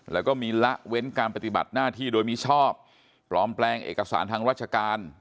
แล้วก็มีละเว้นการปฏิบัติหน้าที่โดยมิชอบปลอมแปลงเอกสารทางราชการ